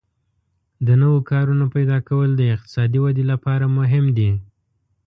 د نوو کارونو پیدا کول د اقتصادي ودې لپاره مهم دي.